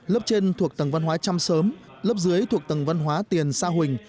lớp trên thuộc tầng văn hóa trăm sớm lớp dưới thuộc tầng văn hóa tiền sa huỳnh